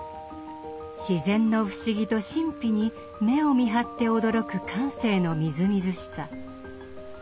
自然の不思議と神秘に目をみはって驚く感性のみずみずしさ。